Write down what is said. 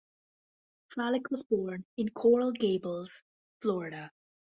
Fralick was born in Coral Gables, Florida.